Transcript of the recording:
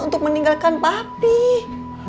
untuk meninggalkan papih